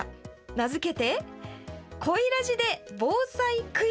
名付けて「コイらじｄｅ防災クイズ」。